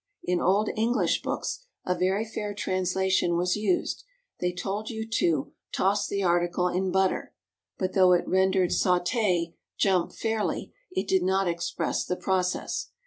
In old English books a very fair translation was used; they told you to "toss the article in butter," but though it rendered sauté "jump" fairly, it did not express the process.